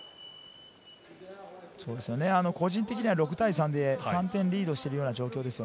個人的には６対３で３点リードしている状況です。